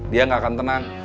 dia gak akan tenang